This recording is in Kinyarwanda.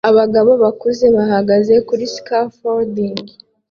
Abagabo bakuze bahagaze kuri scafolding